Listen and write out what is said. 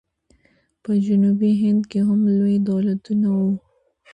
په جنوبي هند کې هم لوی دولتونه وو.